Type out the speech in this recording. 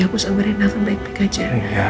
aku sama rena akan baik baik aja